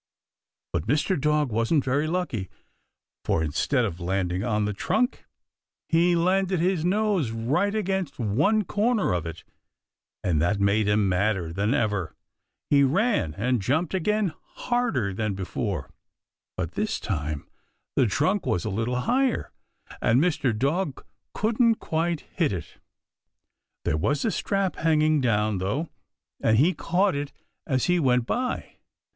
[Illustration: HE CAUGHT IT AS HE WENT BY.] But Mr. Dog wasn't very lucky, for instead of landing on the trunk he landed his nose right against one corner of it, and that made him madder than ever. He ran and jumped again harder than before, but this time the trunk was a little higher and Mr. Dog didn't quite hit it. There was a strap hanging down, though, and he caught it as he went by.